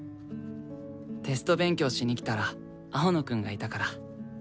テスト勉強しに来たら青野くんがいたから。